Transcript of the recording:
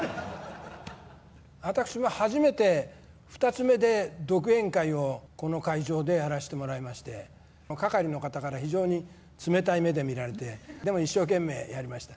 私も初めて、二ツ目で独演会をこの会場でやらせてもらいまして、係の方から非常に冷たい目で見られて、でも一生懸命やりました。